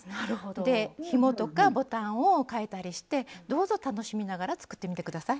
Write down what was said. でひもとかボタンをかえたりしてどうぞ楽しみながら作ってみて下さい。